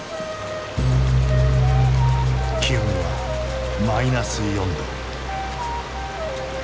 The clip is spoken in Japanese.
気温はマイナス４℃。